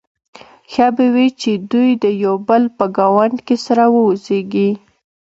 ښه به وي چې دوی د یو بل په ګاونډ کې سره واوسيږي.